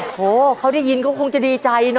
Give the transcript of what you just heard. โอ้โหเขาได้ยินก็คงจะดีใจเนอะ